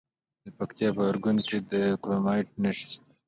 د پکتیکا په ارګون کې د کرومایټ نښې شته.